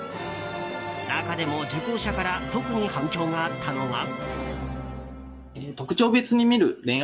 中でも受講者から特に反響があったのが。